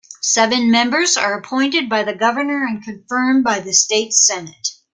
Seven members are appointed by the governor and confirmed by the state senate.